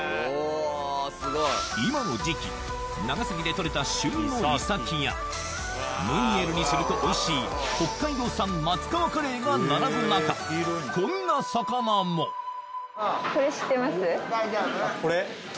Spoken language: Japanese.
今の時期長崎で取れた旬のイサキやムニエルにするとおいしい北海道産松川カレイが並ぶ中こんな魚もこれ？